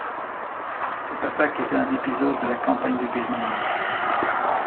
Cette attaque était un épisode de la campagne de Birmanie.